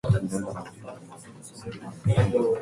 咁多年黎都好俾心機做，經理亦好鍾意佢